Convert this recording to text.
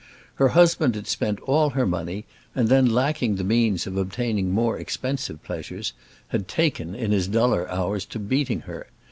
Her husband had spent all her money, and then, lacking the means of obtaining more expensive pleasures, had taken, in his duller hours, to beating her.